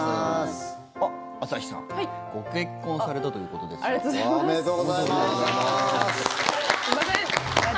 朝日さんご結婚されたということですが。